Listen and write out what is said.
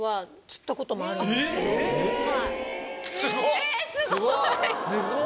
えすごい！